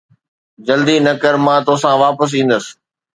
جلدي نه ڪر، مان توسان واپس ايندس